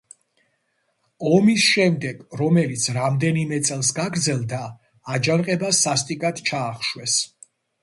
ომის შემდეგ, რომელიც რამდენიმე წელს გაგრძელდა, აჯანყება სასტიკად ჩაახშვეს.